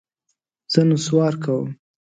زه نسوار کوم.